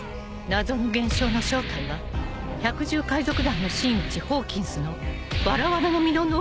［謎の現象の正体は百獣海賊団の真打ちホーキンスのワラワラの実の能力のせいみたい］